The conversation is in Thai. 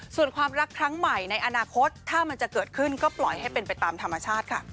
ส่วนความรักครั้งใหม่ในอนาคตถ้ามันจะเกิดขึ้นก็ปล่อยให้เป็นไปตามธรรมชาติค่ะ